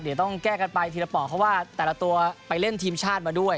เดี๋ยวต้องแก้กันไปทีละปอกเพราะว่าแต่ละตัวไปเล่นทีมชาติมาด้วย